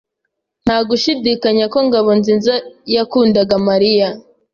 Nta gushidikanya ko Ngabonziza yakundaga Mariya.